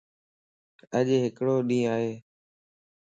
اڄ ڪھڙو ڏينھن ائي